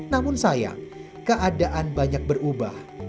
namun sayang keadaan banyak berubah